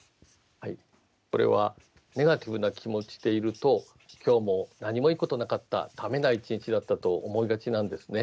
これはネガティブな気持ちでいると今日も何もいいことなかっただめな１日だったと思いがちなんですね。